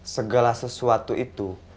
segala sesuatu itu